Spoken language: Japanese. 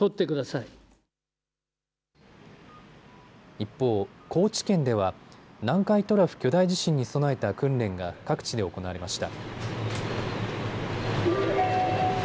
一方、高知県では南海トラフ巨大地震に備えた訓練が各地で行われました。